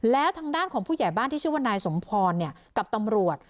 แล้วทางด้านของผู้ใหญ่บ้านที่ชื่อว่านายสมพรกับตำรวจ